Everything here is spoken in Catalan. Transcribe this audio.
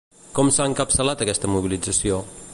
Com s'ha encapçalat aquesta mobilització?